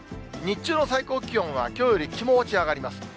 日中の最高気温はきょうより気持ち上がります。